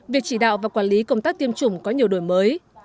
việc chỉ đạo và quản lý công tác tiêm chủng có nhiều đổi mới